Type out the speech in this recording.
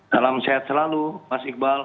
salam sehat selalu mas iqbal